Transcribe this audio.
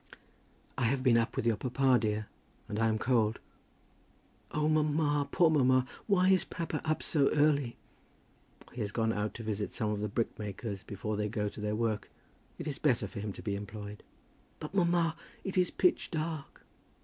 "I have been up with your papa, dear, and I am cold." "Oh, mamma, poor mamma! Why is papa up so early?" "He has gone out to visit some of the brickmakers before they go to their work. It is better for him to be employed." "But, mamma, it is pitch dark."